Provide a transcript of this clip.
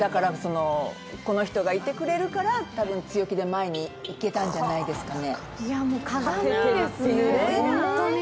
この人がいてくれるから強気で前にいけたんじゃないですかね。